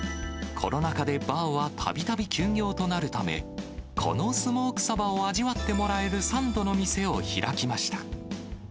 コロナ禍でバーはたびたび休業となるため、このスモークサバを味わってもらえるサンドの店を開きました。